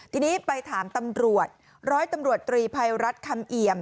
ทีนี้ไปถามตำรวจร้อยตำรวจตรีภัยรัฐคำเอี่ยม